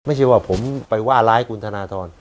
ไม่ใช่ว่าผมไปว่าร้ายคุณธนทร